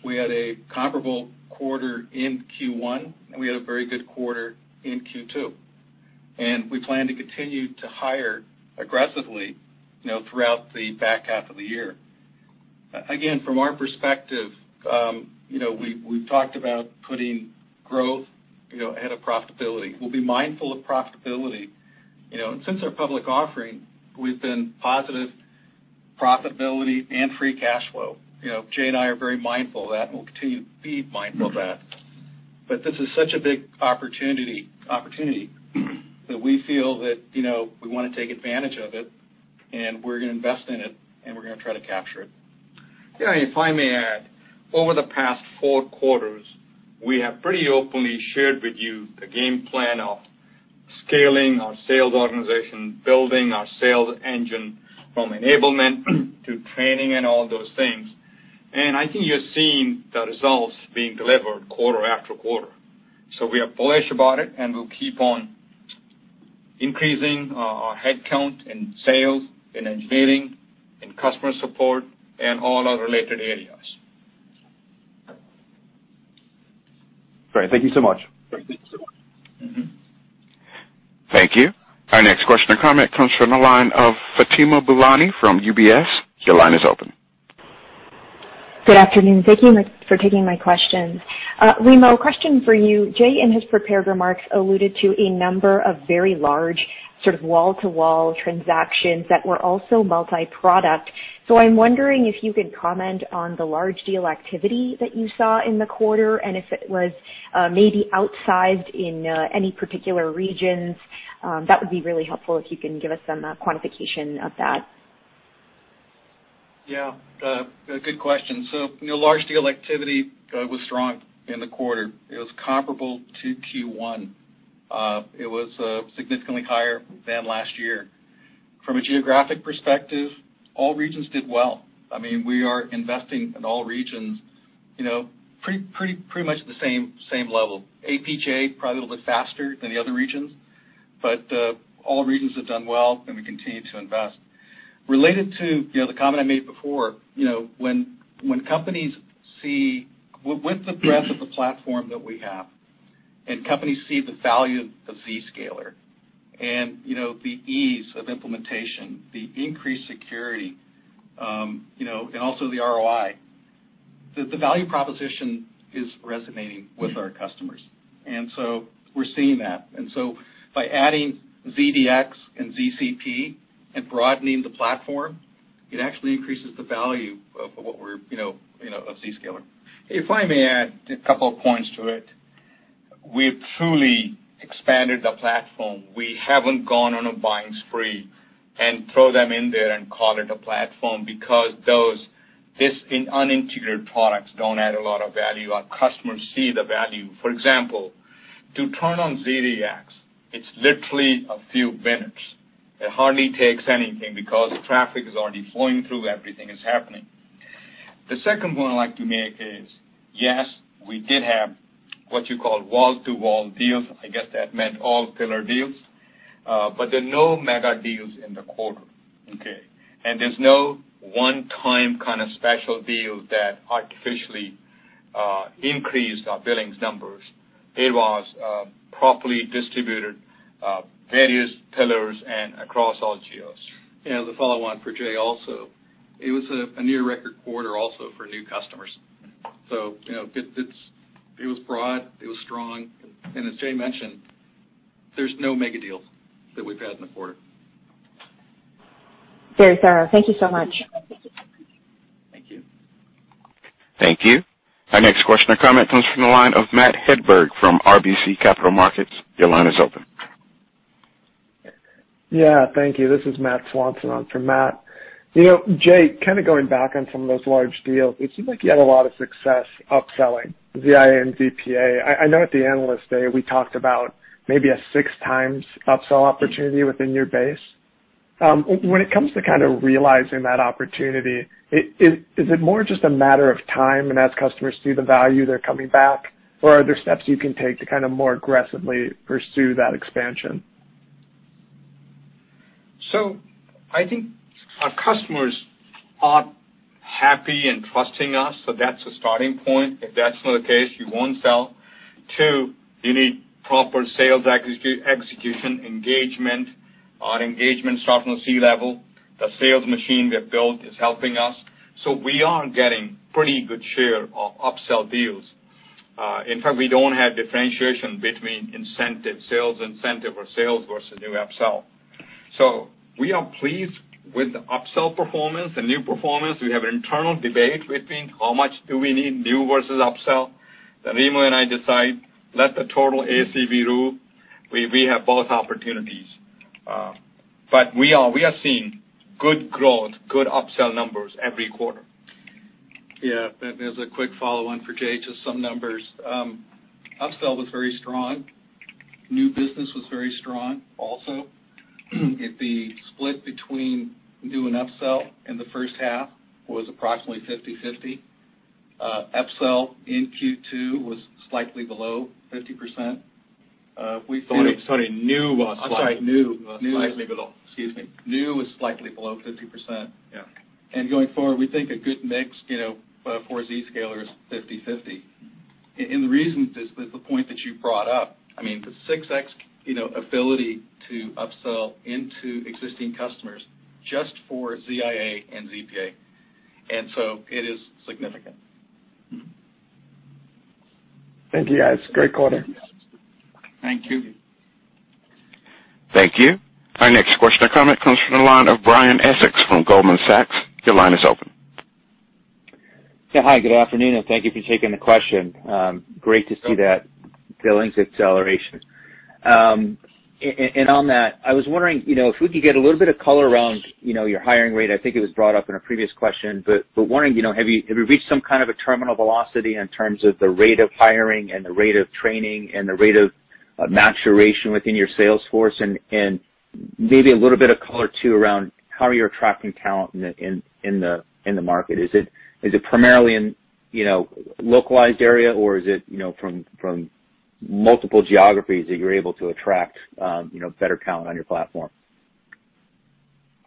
We had a comparable quarter in Q1, and we had a very good quarter in Q2. We plan to continue to hire aggressively throughout the back half of the year. From our perspective, we've talked about putting growth ahead of profitability. We'll be mindful of profitability. Since our public offering, we've been positive profitability and free cash flow. Jay and I are very mindful of that, and we'll continue to be mindful of that. This is such a big opportunity that we feel that we want to take advantage of it, and we're going to invest in it, and we're going to try to capture it. Yeah, if I may add. Over the past four quarters, we have pretty openly shared with you the game plan of scaling our sales organization, building our sales engine from enablement to training and all those things. I think you're seeing the results being delivered quarter after quarter. We are bullish about it, and we'll keep on increasing our headcount in sales, in engineering, in customer support, and all other related areas. Great. Thank you so much. Thank you. Our next question or comment comes from the line of Fatima Boolani from UBS. Your line is open. Good afternoon. Thank you for taking my questions. Remo, question for you. Jay, in his prepared remarks, alluded to a number of very large sort of wall-to-wall transactions that were also multi-product. I'm wondering if you could comment on the large deal activity that you saw in the quarter, and if it was maybe outsized in any particular regions. That would be really helpful if you can give us some quantification of that. Yeah. Good question. Large deal activity was strong in the quarter. It was comparable to Q1. It was significantly higher than last year. From a geographic perspective, all regions did well. We are investing in all regions, pretty much the same level. APJ, probably a little bit faster than the other regions, but all regions have done well, and we continue to invest. Related to the comment I made before, with the breadth of the platform that we have, companies see the value of Zscaler, the ease of implementation, the increased security, also the ROI, the value proposition is resonating with our customers. We're seeing that. By adding ZDX and ZCP and broadening the platform, it actually increases the value of Zscaler. If I may add a couple of points to it. We've truly expanded the platform. We haven't gone on a buying spree and throw them in there and call it a platform because those unintegrated products don't add a lot of value. Our customers see the value. For example, to turn on ZDX, it's literally a few minutes. It hardly takes anything because traffic is already flowing through, everything is happening. The second point I'd like to make is, yes, we did have what you call wall-to-wall deals. I guess that meant all pillar deals. There are no mega deals in the quarter, okay. There's no one-time kind of special deals that artificially increased our billings numbers. It was properly distributed, various pillars and across all geos. The follow on for Jay also. It was a near record quarter also for new customers. It was broad, it was strong, and as Jay mentioned, there's no mega deals that we've had in the quarter. Very thorough. Thank you so much. Thank you. Thank you. Our next question or comment comes from the line of Matt Hedberg from RBC Capital Markets. Your line is open. Yeah. Thank you. This is Matt Swanson on for Matt. Jay, kind of going back on some of those large deals, it seemed like you had a lot of success upselling ZIA and ZPA. I know at the Analyst Day, we talked about maybe a six times upsell opportunity within your base. When it comes to kind of realizing that opportunity, is it more just a matter of time and as customers see the value, they're coming back, or are there steps you can take to kind of more aggressively pursue that expansion? I think our customers are happy and trusting us, so that's a starting point. If that's not the case, you won't sell. Two, you need proper sales execution, engagement. Our engagement starts from the C-level. The sales machine we have built is helping us. We are getting pretty good share of upsell deals. In fact, we don't have differentiation between incentive, sales incentive or sales versus new upsell. We are pleased with the upsell performance and new performance. We have internal debate between how much do we need new versus upsell. Remo and I decide, let the total ACV rule. We have both opportunities. We are seeing good growth, good upsell numbers every quarter. Yeah. There's a quick follow-on for Jay, just some numbers. Upsell was very strong. New business was very strong also. The split between new and upsell in the first half was approximately 50/50. Upsell in Q2 was slightly below 50%. Sorry, new was slightly. I'm sorry, new. Was slightly below. Excuse me. New was slightly below 50%. Yeah. Going forward, we think a good mix for Zscaler is 50/50. The reason is the point that you brought up. I mean, the 6x ability to upsell into existing customers just for ZIA and ZPA. It is significant. Thank you, guys. Great quarter. Thank you. Thank you. Our next question or comment comes from the line of Brian Essex from Goldman Sachs. Your line is open. Yeah. Hi, good afternoon, and thank you for taking the question. Great to see that billings acceleration. On that, I was wondering, if we could get a little bit of color around your hiring rate. I think it was brought up in a previous question, but wondering, have you reached some kind of a terminal velocity in terms of the rate of hiring and the rate of training and the rate of maturation within your sales force? Maybe a little bit of color, too, around how you're attracting talent in the market. Is it primarily in localized area or is it from multiple geographies that you're able to attract better talent on your platform?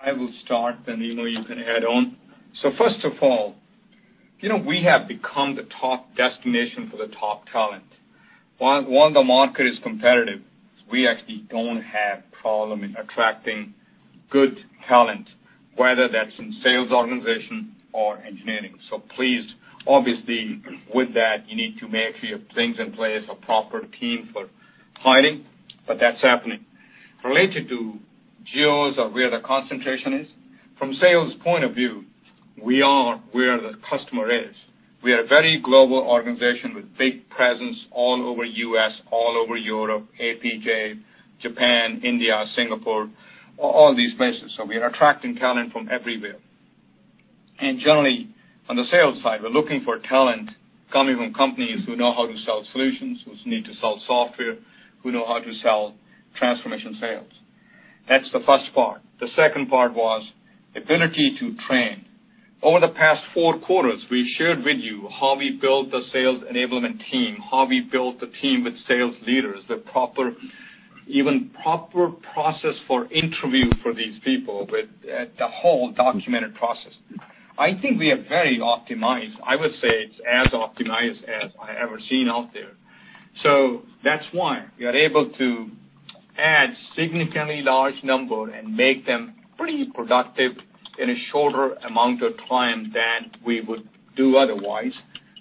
I will start, then Remo, you can add on. First of all, we have become the top destination for the top talent. While the market is competitive, we actually don't have problem in attracting good talent, whether that's in sales organization or engineering. Please, obviously, with that, you need to make sure you have things in place, a proper team for hiring, but that's happening. Related to geos or where the concentration is, from sales point of view, we are where the customer is. We are a very global organization with big presence all over U.S., all over Europe, APJ, Japan, India, Singapore, all these places. We are attracting talent from everywhere. Generally, on the sales side, we're looking for talent coming from companies who know how to sell solutions, who know how to sell software, who know how to sell transformation sales. That's the first part. The second part was ability to train. Over the past four quarters, we shared with you how we built the sales enablement team, how we built the team with sales leaders, even proper process for interview for these people with the whole documented process. I think we are very optimized. I would say it's as optimized as I ever seen out there. That's why we are able to add significantly large number and make them pretty productive in a shorter amount of time than we would do otherwise.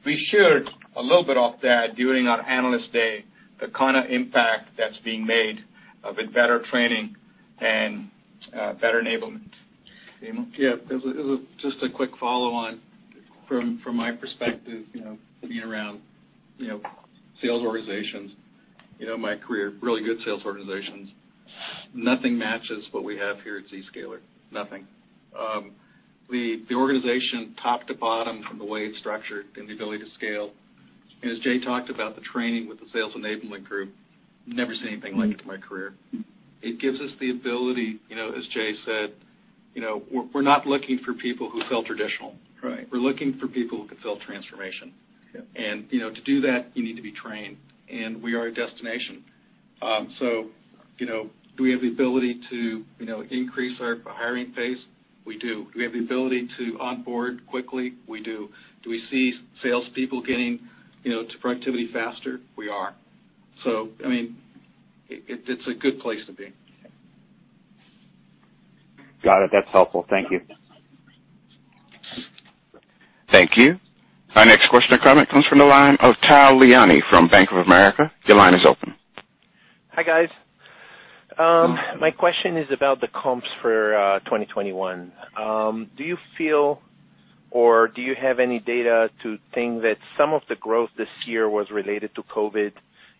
We shared a little bit of that during our Analyst Day, the kind of impact that's being made with better training and better enablement. Remo? Just a quick follow on from my perspective, being around sales organizations, my career, really good sales organizations. Nothing matches what we have here at Zscaler. Nothing. The organization top to bottom from the way it's structured and the ability to scale, and as Jay talked about, the training with the sales enablement group, never seen anything like it in my career. It gives us the ability, as Jay said, we're not looking for people who sell traditional. Right. We're looking for people who can sell transformation. Yeah. To do that, you need to be trained, and we are a destination. Do we have the ability to increase our hiring pace? We do. Do we have the ability to onboard quickly? We do. Do we see salespeople getting to productivity faster? We are. It's a good place to be. Got it. That's helpful. Thank you. Thank you. Our next question or comment comes from the line of Tal Liani from Bank of America. Your line is open. Hi, guys. My question is about the comps for 2021. Do you feel or do you have any data to think that some of the growth this year was related to COVID,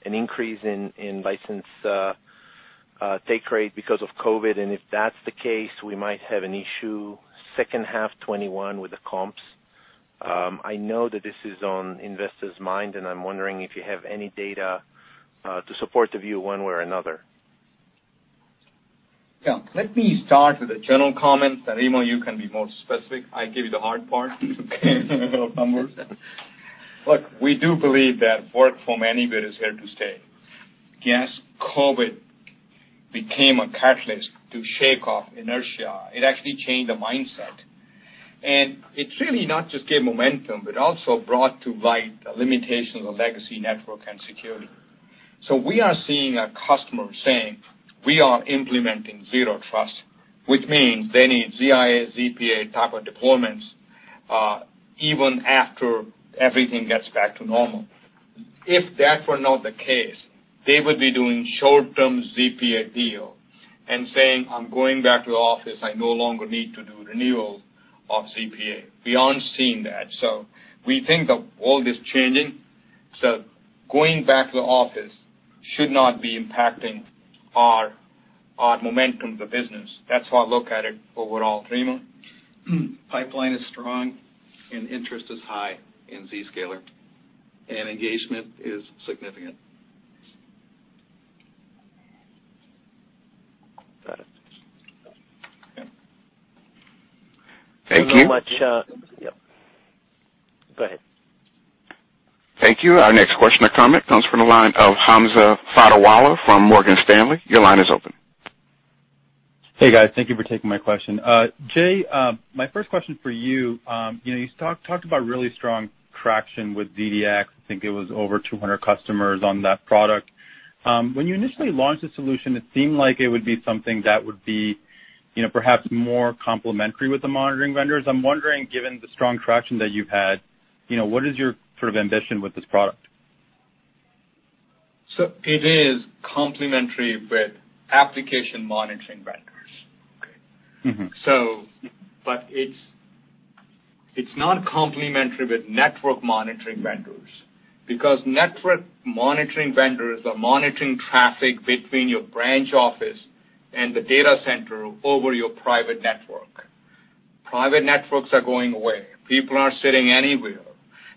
an increase in license take rate because of COVID, and if that's the case, we might have an issue second half 2021 with the comps? I know that this is on investors' mind, and I'm wondering if you have any data to support the view one way or another. Tal, let me start with a general comment. Remo, you can be more specific. I give you the hard part, of numbers. Look, we do believe that work from anywhere is here to stay. Yes, COVID became a catalyst to shake off inertia. It actually changed the mindset. It really not just gave momentum, but also brought to light the limitations of legacy network and security. We are seeing a customer saying, "We are implementing zero trust," which means they need ZIA, ZPA type of deployments, even after everything gets back to normal. If that were not the case, they would be doing short-term ZPA deal and saying, "I'm going back to the office. I no longer need to do renewal of ZPA." We aren't seeing that. We think the world is changing, so going back to the office should not be impacting our momentum, the business. That's how I look at it overall. Remo? Pipeline is strong and interest is high in Zscaler, and engagement is significant. Got it. Okay. Thank you. Yeah. Go ahead. Thank you. Our next question or comment comes from the line of Hamza Fodderwala from Morgan Stanley. Your line is open. Hey, guys. Thank you for taking my question. Jay, my first question for you. You talked about really strong traction with ZDX. I think it was over 200 customers on that product. When you initially launched the solution, it seemed like it would be something that would be perhaps more complementary with the monitoring vendors. I'm wondering, given the strong traction that you've had, what is your sort of ambition with this product? It is complementary with application monitoring vendors. Okay. Mm-hmm. It's not complementary with network monitoring vendors because network monitoring vendors are monitoring traffic between your branch office and the data center over your private network. Private networks are going away. People are sitting anywhere.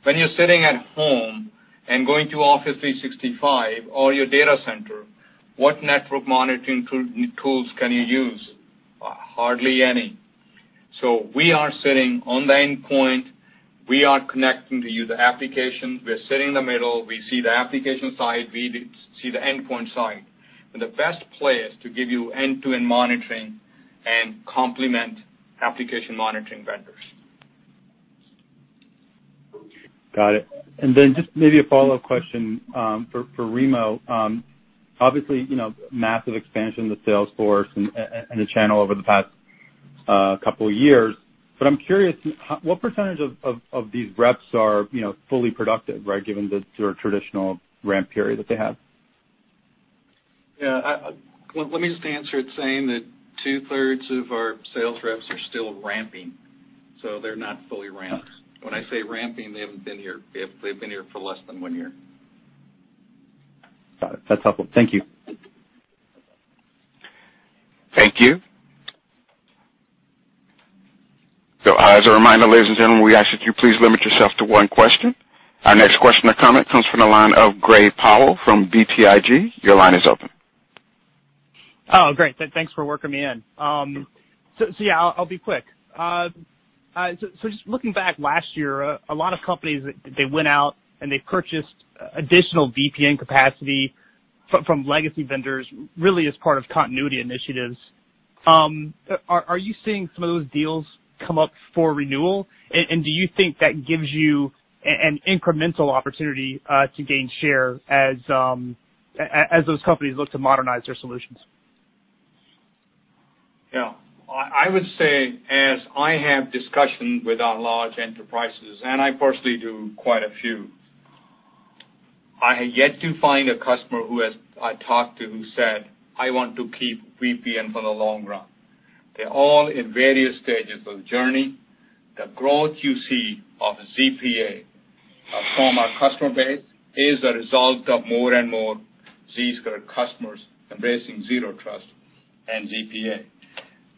When you're sitting at home and going to Office 365 or your data center, what network monitoring tools can you use? Hardly any. We are sitting on the endpoint. We are connecting to you the application. We're sitting in the middle. We see the application side, we see the endpoint side. We're the best place to give you end-to-end monitoring and complement application monitoring vendors. Got it. Just maybe a follow-up question for Remo. Obviously, massive expansion of the sales force and the channel over the past couple of years. I'm curious, what percentage of these reps are fully productive, right? Given the sort of traditional ramp period that they have. Yeah. Let me just answer it saying that 2/3 of our sales reps are still ramping. They're not fully ramped. When I say ramping, they've been here for less than one year. Got it. That's helpful. Thank you. Thank you. As a reminder, ladies and gentlemen, we ask that you please limit yourself to one question. Our next question or comment comes from the line of Gray Powell from BTIG. Your line is open. Oh, great. Thanks for working me in. Yeah, I'll be quick. Just looking back last year, a lot of companies, they went out, and they purchased additional VPN capacity from legacy vendors, really as part of continuity initiatives. Are you seeing some of those deals come up for renewal? Do you think that gives you an incremental opportunity to gain share as those companies look to modernize their solutions? Yeah. I would say, as I have discussions with our large enterprises, and I personally do quite a few, I have yet to find a customer who I talked to who said, "I want to keep VPN for the long run." They're all in various stages of journey. The growth you see of ZPA from our customer base is a result of more and more Zscaler customers embracing Zero Trust and ZPA.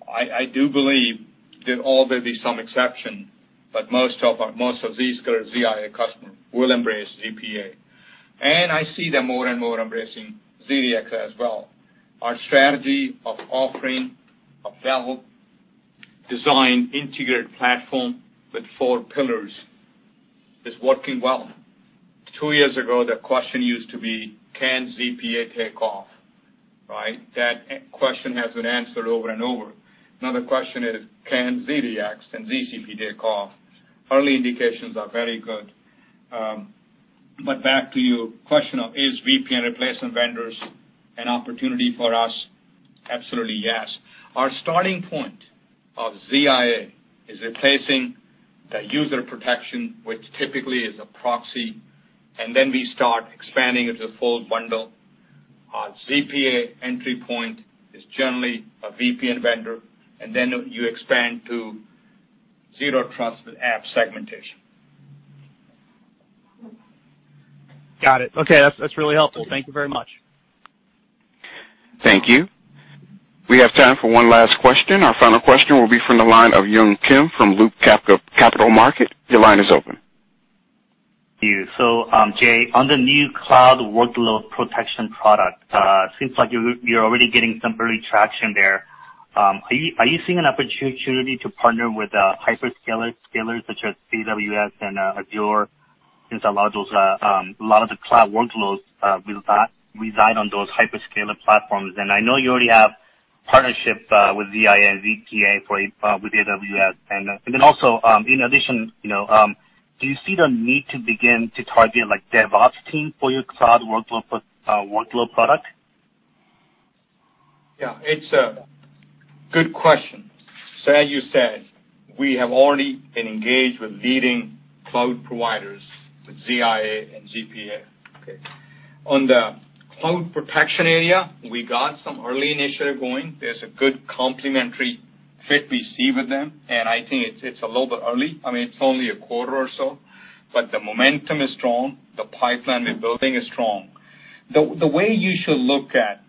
I do believe there will always be some exception, but most of Zscaler's ZIA customer will embrace ZPA. I see them more and more embracing ZDX as well. Our strategy of offering a well-designed integrated platform with four pillars is working well. Two years ago, the question used to be, can ZPA take off, right? That question has been answered over and over. Another question is, can ZDX and ZCP take off? Early indications are very good. Back to your question of, is VPN replacement vendors an opportunity for us? Absolutely, yes. Our starting point of ZIA is replacing the user protection, which typically is a proxy, and then we start expanding it to full bundle. Our ZPA entry point is generally a VPN vendor, and then you expand to Zero Trust with app segmentation. Got it. Okay. That's really helpful. Thank you very much. Thank you. We have time for one last question. Our final question will be from the line of Yun Kim from Loop Capital Markets. Your line is open. Thank you. Jay, on the new Zscaler Cloud Protection, seems like you're already getting some early traction there. Are you seeing an opportunity to partner with a hyperscaler such as AWS and Azure since a lot of the cloud workloads reside on those hyperscaler platforms? I know you already have partnership with ZIA, ZPA with AWS. In addition, do you see the need to begin to target, like, DevOps team for your Zscaler Cloud Protection? Yeah, it's a good question. As you said, we have already been engaged with leading cloud providers, with ZIA and ZPA. Okay. On the Cloud Protection area, we got some early initiative going. There's a good complementary fit we see with them, and I think it's a little bit early. I mean, it's only a quarter or so, but the momentum is strong. The pipeline we're building is strong. The way you should look at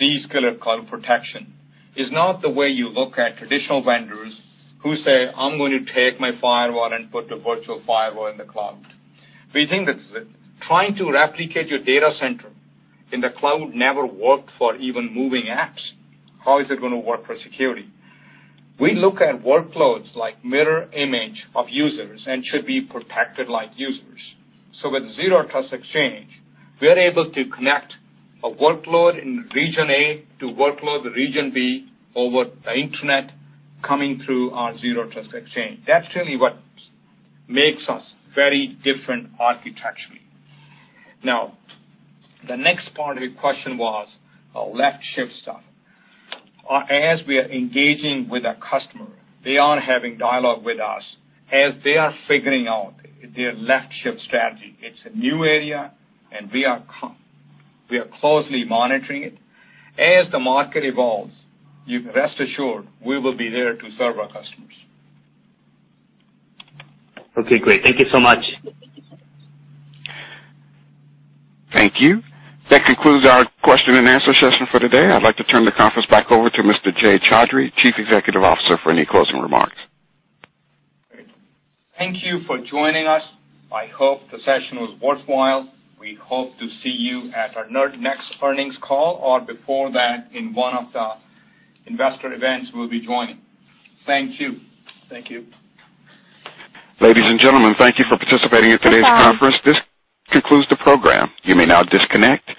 Zscaler Cloud Protection is not the way you look at traditional vendors who say, "I'm going to take my firewall and put the virtual firewall in the cloud." We think that trying to replicate your data center in the cloud never worked for even moving apps. How is it going to work for security? We look at workloads like mirror image of users and should be protected like users. With Zero Trust Exchange, we are able to connect a workload in region A to workload region B over the internet coming through our Zero Trust Exchange. That's really what makes us very different architecturally. Now, the next part of your question was left shift stuff. As we are engaging with our customer, they are having dialogue with us as they are figuring out their left shift strategy. It's a new area, and we are coming. We are closely monitoring it. As the market evolves, you can rest assured we will be there to serve our customers. Okay, great. Thank you so much. Thank you. That concludes our question and answer session for today. I'd like to turn the conference back over to Mr. Jay Chaudhry, Chief Executive Officer, for any closing remarks. Thank you. Thank you for joining us. I hope the session was worthwhile. We hope to see you at our next earnings call or before that in one of the investor events we'll be joining. Thank you. Thank you. Ladies and gentlemen, thank you for participating in today's conference. This concludes the program. You may now disconnect.